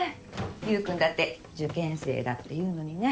悠君だって受験生だっていうのにね。